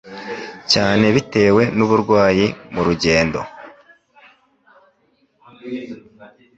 cyane butewe n’uburwayi mu rugendo.